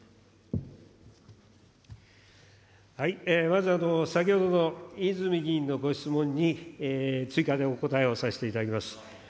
まず、先ほどの泉議員のご質問に追加でお答えをさせていただきます。